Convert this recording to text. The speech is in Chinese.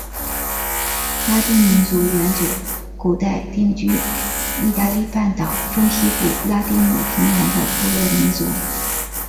拉丁民族原指古代定居义大利半岛中西部拉丁姆平原的部落民族。